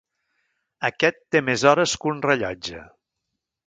Aquest té més hores que un rellotge.